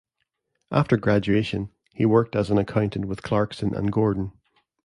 After graduation, he worked as an accountant with Clarkson and Gordon.